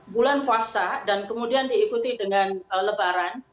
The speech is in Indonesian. bulan puasa dan kemudian diikuti dengan lebaran